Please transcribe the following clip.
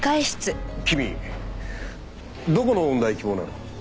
君どこの音大希望なの？